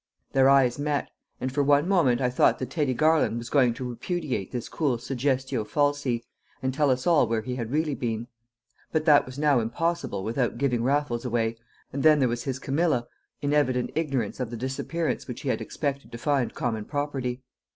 Their eyes met; and for one moment I thought that Teddy Garland was going to repudiate this cool suggestio falsi, and tell us all where he had really been; but that was now impossible without giving Raffles away, and then there was his Camilla in evident ignorance of the disappearance which he had expected to find common property.